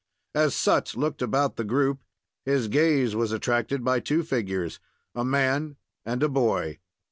As Sut looked about the group, his gaze was attracted by two figures a man and a boy.